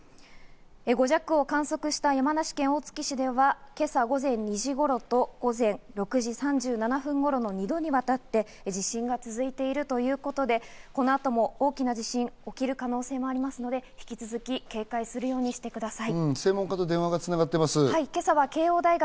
５弱を観測した山梨県大月市では今朝午前２時頃と午前６時３７分頃の２度にわたって地震が続いているということで、この後も大きな地震が起きる可能性がありますので引き続き警戒するようにしてください。